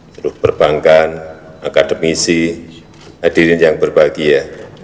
seluruh perbankan akademisi hadirin yang berbahagia